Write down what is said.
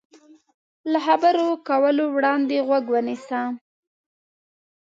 له خبرو کولو وړاندې غوږ ونیسه.